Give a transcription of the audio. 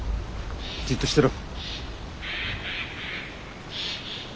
じっとしてろ。